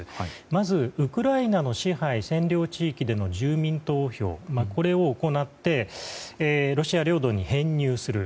まず、ウクライナの支配・占領地域での住民投票、これを行ってロシア領土に編入する。